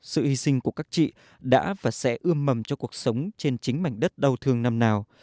sự hy sinh của các chị đã và sẽ ươm mầm cho cuộc sống trên chính mảnh đất đau thương năm nào